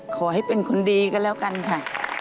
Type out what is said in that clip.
ขอให้เป็นคนดีก็แล้วกันค่ะ